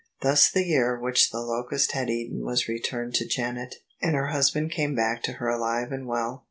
Thus the year which the locust had eaten was returned to Janet: and her husband came back to her alive and well.